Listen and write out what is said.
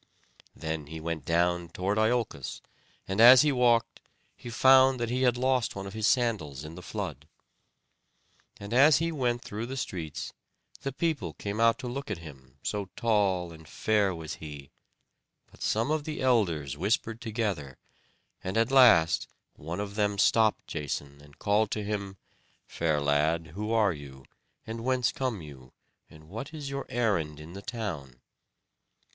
Then he went down toward Iolcos, and as he walked, he found that he had lost one of his sandals in the flood. And as he went through the streets, the people came out to look at him, so tall and fair was he; but some of the elders whispered together; and at last one of them stopped Jason, and called to him: "Fair lad, who are you, and whence come you; and what is your errand in the town?"